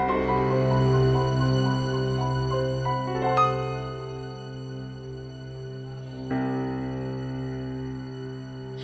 bermain hacemos tidak